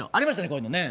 こういうのね